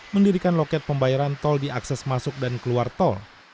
mendirikan loket pembayaran tol di akses masuk dan keluar tol